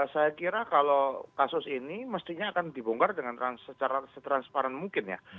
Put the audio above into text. saya kira kalau kasus ini mestinya akan dibongkar dengan secara setransparan mungkin ya